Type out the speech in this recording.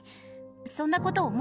そんなことを思う